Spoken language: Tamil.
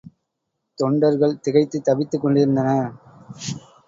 தொண்டர்கள் திகைத்துத் தவித்துக் கொண்டிருந்தனர்.